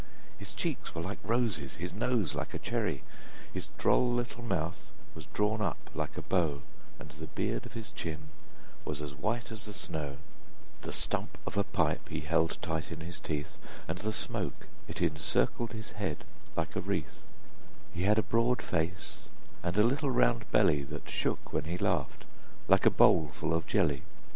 His cheeks were like roses, his nose like a cherry! His droll little mouth was drawn up like a bow, And the beard of his chin was as white as the snow; The stump of a pipe he held tight in his teeth, And the smoke it encircled his head like a wreath; He had a broad face and a little round belly, That shook when he laughed, like a bowlful of jelly.